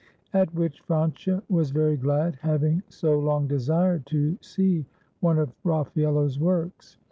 At which Francia was very glad, having so long desired to see one of Raffaello's works.